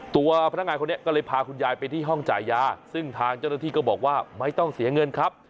ตัวพนักงานคนนี้ก็เลยพาคุณยายไปที่ห้องจ่ายยาซึ่งทางเจ้าหน้าที่ก็บอกว่าไม่ต้องเสียเงินครับ